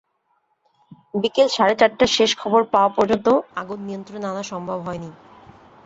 বিকেল সাড়ে চারটায় শেষ খবর পাওয়া পর্যন্ত আগুন নিয়ন্ত্রণে আনা সম্ভব হয়নি।